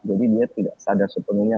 jadi dia tidak sadar sepenuhnya